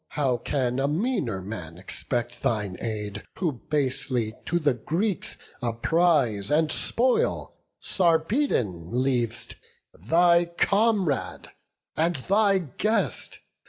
How can a meaner man expect thine aid, Who basely to the Greeks a prize and spoil Sarpedon leav'st, thy comrade and thy guest?